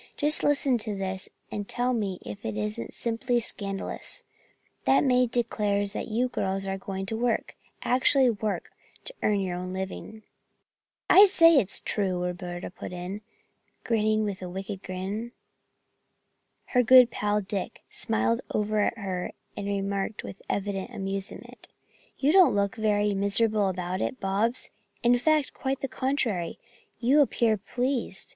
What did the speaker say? Just listen to this and then tell me if it isn't simply scandalous. That maid declared that you girls are going to work, actually work, to earn your own living." "I'll say it's true!" Roberta put in, grinning with wicked glee. Her good pal, Dick, smiled over at her as he remarked with evident amusement: "You don't look very miserable about it, Bobs. In fact, quite the contrary, you appear pleased.